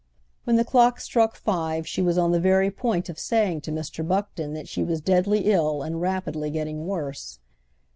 When the clock struck five she was on the very point of saying to Mr. Buckton that she was deadly ill and rapidly getting worse.